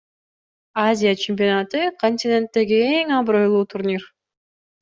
Азия чемпионаты — континенттеги эң абройлуу турнир.